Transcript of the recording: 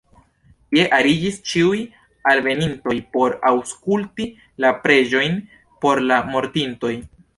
Tie ariĝis ĉiuj alvenintoj por aŭskulti la preĝojn por la mortintoj.